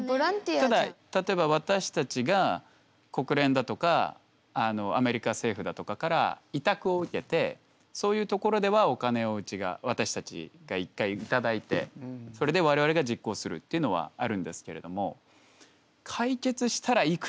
ただ例えば私たちが国連だとかアメリカ政府だとかから委託を受けてそういうところではお金をうちが私たちが一回頂いてそれで我々が実行するっていうのはあるんですけれどもああ。